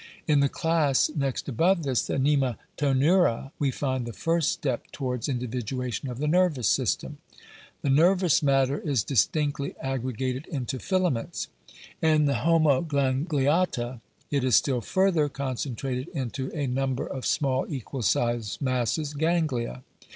"* In the class next above this, the Nematoneura, we find the first step to wards individuation of the nervous system :" the nervous matter is distinctly aggregated into filaments." b In the Homo gangliata, it is still further concentrated into a number of small equal sized masses— ganglia.